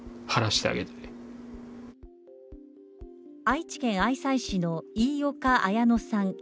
愛知県愛西市の飯岡綾乃さん